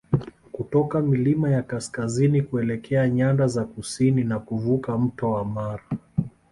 kutoka milima ya kaskazini kuelekea nyanda za kusini na kuvuka mto wa Mara